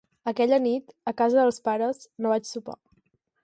Aquella nit, a casa dels pares, no vaig sopar.